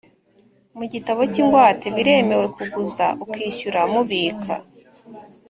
mu gitabo cy ingwate biremewe kuguza ukishyura mubika